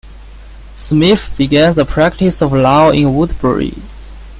Smith began the practice of law in Woodbury.